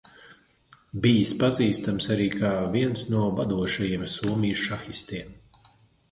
Bijis pazīstams arī kā viens no vadošajiem Somijas šahistiem.